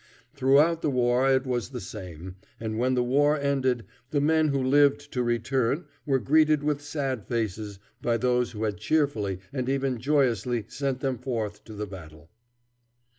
Throughout the war it was the same, and when the war ended the men who lived to return were greeted with sad faces by those who had cheerfully and even joyously sent them forth to the battle.